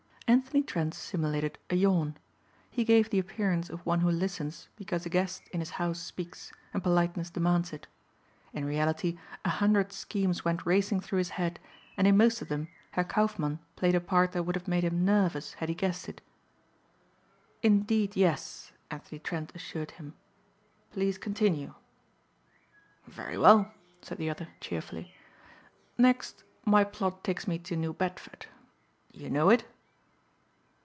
Anthony Trent simulated a yawn. He gave the appearance of one who listens because a guest in his house speaks and politeness demands it. In reality a hundred schemes went racing through his head and in most of them Herr Kaufmann played a part that would have made him nervous had he guessed it. "Indeed yes," Anthony Trent assured him. "Please continue." "Very well," said the other cheerfully. "Next, my plot takes me to New Bedford. You know it?"